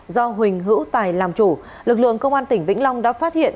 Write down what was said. do huỳnh hữu tài làm chủ lực lượng công an tỉnh vĩnh long đã phát hiện